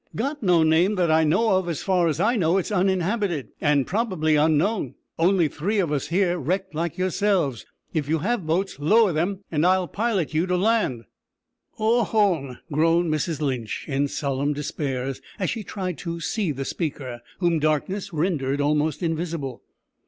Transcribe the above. "Got no name that I know of; as far as I know it's uninhabited, and, probably, unknown. Only three of us here wrecked like yourselves. If you have boats, lower them, and I'll pilot you to land." "Ohone!" groaned Mrs Lynch, in solemn despair, as she tried to see the speaker, whom darkness rendered almost invisible.